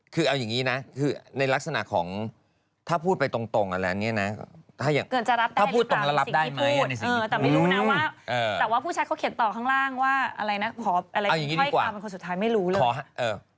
แต่ว่าผู้ชัดเขาเขียนต่อข้างล่างว่าอะไรนะขออะไรถ้อยความเป็นคนสุดท้ายไม่รู้เลย